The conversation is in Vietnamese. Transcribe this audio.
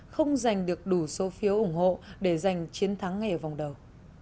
không giành được đủ số phiếu ủng hộ để giành chiến thắng ngay ở vòng đầu